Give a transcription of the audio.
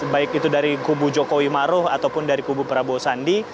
baik itu dari kubu jokowi maru ataupun dari kubu prabowo sandi